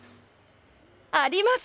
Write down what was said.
あります